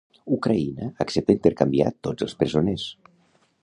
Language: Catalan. Ucraïna accepta intercanviar tots els presoners